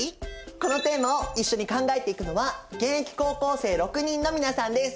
このテーマを一緒に考えていくのは現役高校生６人の皆さんです！